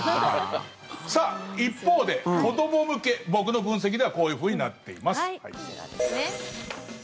一方で子ども向け、僕の分析ではこういうふうになっています。